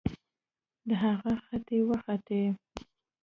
د هغه ختې وختې